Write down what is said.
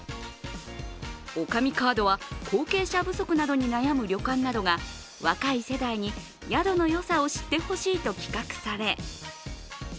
女将カードは、後継者不足などに悩む旅館などが若い世代に宿のよさを知ってほしいと企画され